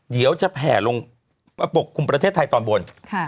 เดี๋ยวจะแผ่ลงมาปกคลุมประเทศไทยตอนบน